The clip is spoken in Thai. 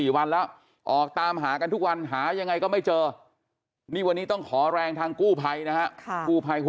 ๔วันแล้วออกตามหากันทุกวันหายังไงก็ไม่เจอนี่วันนี้ต้องขอแรงทางกู้ภัยนะฮะ